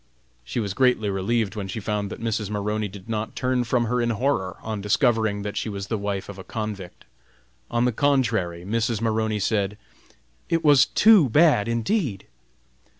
She was greatly relieved when she found that Mrs. Maroney did not turn from her in horror on discovering that she was the wife of a convict. On the contrary, Mrs. Maroney said: "It was too bad, indeed!"